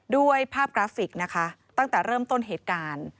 ด้วยภาพกราฟิกนะคะตั้งแต่เริ่มต้นเหตุการณ์